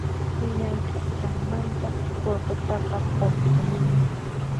Llamk'asqanmanta qullqitaqa qunpuniña